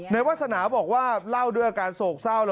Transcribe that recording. วาสนาบอกว่าเล่าด้วยอาการโศกเศร้า